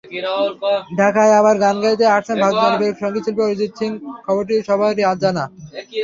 ঢাকায় আবার গান গাইতে আসছেন ভারতের জনপ্রিয় সংগীতশিল্পী অরিজিৎ সিং—খবরটি সবারই জানা।